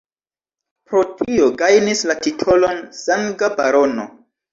Pro tio gajnis la titolon Sanga Barono.